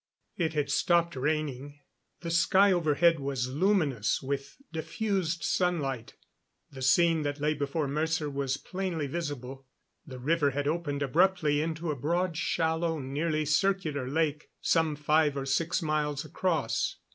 It had stopped raining; the sky overhead was luminous with diffused sunlight; the scene that lay before Mercer was plainly visible. The river had opened abruptly into a broad, shallow, nearly circular lake, some five or six miles across.